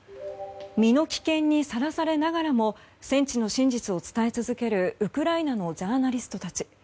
身の危険にさらされながらも戦地の真実を伝え続けるウクライナのジャーナリストたち。